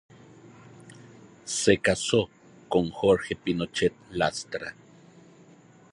Se casó con Jorge Pinochet Lastra.